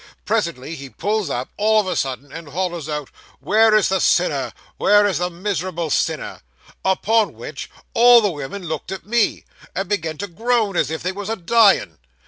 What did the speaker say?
Presently he pulls up, all of a sudden, and hollers out, "Where is the sinner; where is the mis'rable sinner?" Upon which, all the women looked at me, and began to groan as if they was a dying.